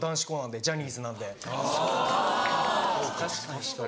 ・確かに・